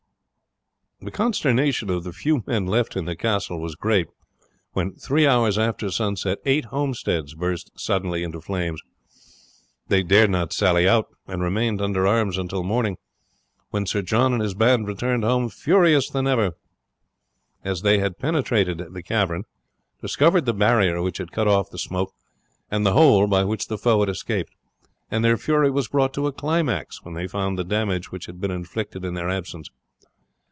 The consternation of the few men left in the castle was great when, three hours after sunset, eight homesteads burst suddenly into flames. They dared not sally out, and remained under arms until morning, when Sir John and his band returned more furious than ever, as they had penetrated the cavern, discovered the barrier which had cut off the smoke, and the hole by which the foe had escaped; and their fury was brought to a climax when they found the damage which had been inflicted in their absence.